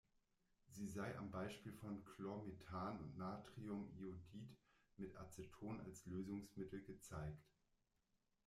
Sie sei am Beispiel von Chlormethan und Natriumiodid mit Aceton als Lösungsmittel gezeigt.